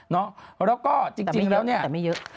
แล้วก็จริงแล้วเนี่ยไม่เยอะ